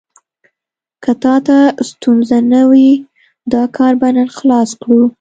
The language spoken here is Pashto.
که تا ته ستونزه نه وي، دا کار به نن خلاص کړو.